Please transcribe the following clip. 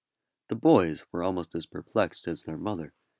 The boys were almost as perplexed as their mother.